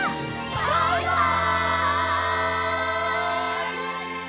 バイバイ！